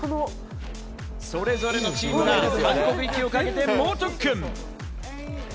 それぞれのチームが韓国行きをかけて猛特訓。